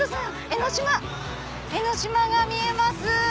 江の島が見えます！